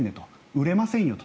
売れませんよと。